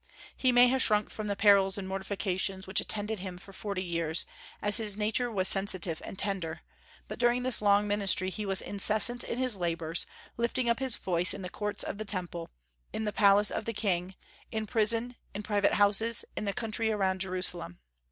He may have shrunk from the perils and mortifications which attended him for forty years, as his nature was sensitive and tender; but during this long ministry he was incessant in his labors, lifting up his voice in the courts of the Temple, in the palace of the king, in prison, in private houses, in the country around Jerusalem.